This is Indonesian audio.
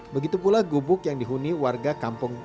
begitu pula gubuk yang dihuni warga kampung